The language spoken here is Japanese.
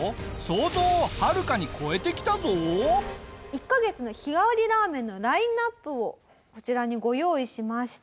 １カ月の日替わりラーメンのラインアップをこちらにご用意しました。